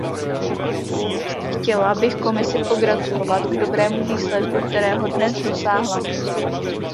Chtěla bych Komisi pogratulovat k dobrému výsledku, kterého dnes dosáhla.